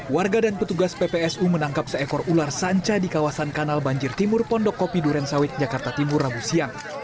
warga dan petugas ppsu menangkap seekor ular sanca di kawasan kanal banjir timur pondok kopi durensawit jakarta timur rabu siang